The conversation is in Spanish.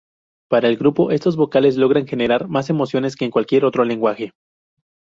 Para el grupo, estos vocales logran generar más emociones que cualquier otro lenguaje.